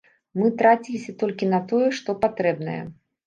Мы траціліся толькі на тое, што патрэбнае.